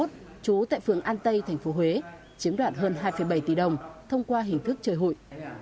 trú tại phường an tây tp huế chiếm đoạt hơn hai bảy tỷ đồng thông qua hình thức chơi hụi